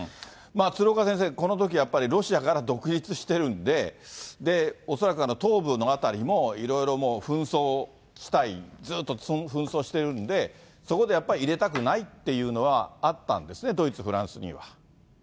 鶴岡先生、このときやっぱり、ロシアから独立してるんで、恐らく、東部の辺りも、いろいろもう紛争地帯、ずっと紛争してるんで、そこでやっぱり、入れたくないっていうのはあったんですね、ドイツ、フランスには。